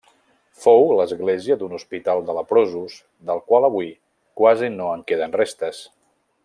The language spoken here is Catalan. Fou l'església d'un hospital de leprosos, del qual avui quasi no en queden restes.